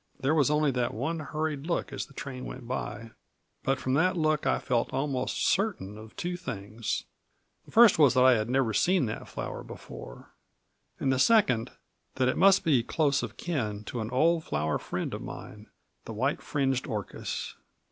There was only that one hurried look as the train went by; but from that look I felt almost certain of two things: the first was that I had never seen that flower before, and the second, that it must be close of kin to an old flower friend of mine, the white fringed orchis.